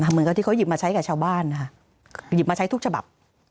เหมือนกับที่เขาหยิบมาใช้กับชาวบ้านนะคะหยิบมาใช้ทุกฉบับ